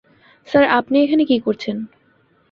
Sir, আপনি এখানে কি করছেন?